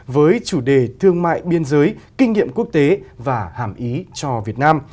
với chủ đề thương mại biên giới kinh nghiệm quốc tế và hàm ý cho việt nam